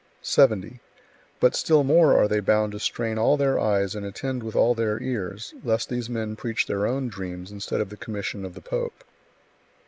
70. But still more are they bound to strain all their eyes and attend with all their ears, lest these men preach their own dreams instead of the commission of the pope.